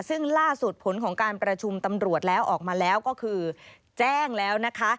ซึ่งล่าสุดผลของการประชุมตำรวจแล้วออกมาแล้วก็คือแจ้งแล้วนะคะ